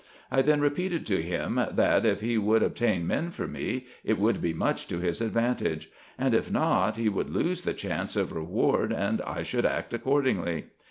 I then repeated to him, that, if he would obtain men for me, it would be much to his advantage ; and if not, he would lose the chance of reward, and I should act accordingly.